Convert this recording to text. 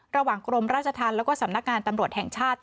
กรมราชธรรมแล้วก็สำนักงานตำรวจแห่งชาติ